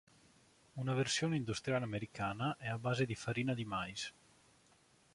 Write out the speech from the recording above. Una versione industriale americana è a base di farina di mais.